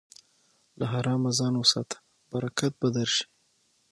له حرامه ځان وساته، برکت به درشي.